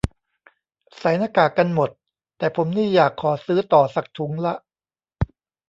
ใส่หน้ากากกันหมด แต่ผมนี่อยากขอซื้อต่อสักถุงละ